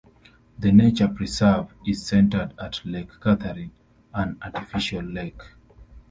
The nature preserve is centered at Lake Katharine, an artificial lake.